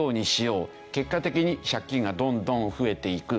結果的に借金がどんどん増えていく。